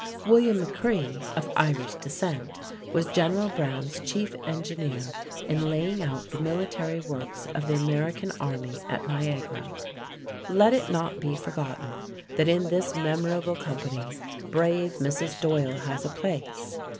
William McRee, of Irish descent, was General Browne's chief engineer in laying out the military works of the American army at Niagara. Let it not be forgotten that in this memorable company brave Mrs. Doyle has a place.